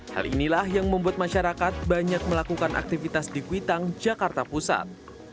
hal inilah yang membuat masyarakat banyak melakukan aktivitas di kuitang jakarta pusat